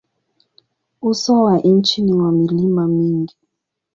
Uso wa nchi ni wa milima mingi.